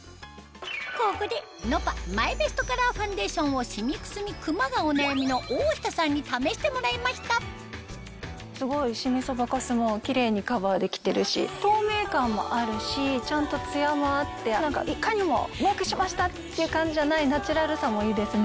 ここでｎｏｐａマイベストカラーファンデーションをシミくすみくまがお悩みの大下さんに試してもらいましたすごいシミそばかすもキレイにカバーできてるし透明感もあるしちゃんとツヤもあっていかにもメイクしましたっていう感じじゃないナチュラルさもいいですね。